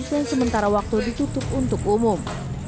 dan sementara waktu ditutup untuk umum